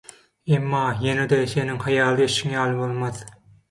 Emma ýene-de seniň hyýal edişiň ýaly bolmaz.